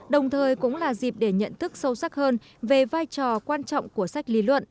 đồng thời cũng là dịp để nhận thức sâu sắc hơn về vai trò quan trọng của sách lý luận